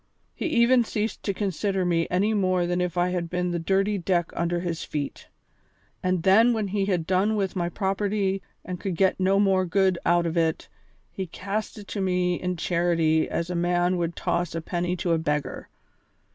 He even ceased to consider me any more than if I had been the dirty deck under his feet. And then, when he had done with my property and could get no more good out of it, he cast it to me in charity as a man would toss a penny to a beggar.